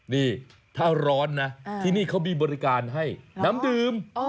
นี่ถ้าร้อนนะที่นี่เขามีบริการให้น้ำดื่ม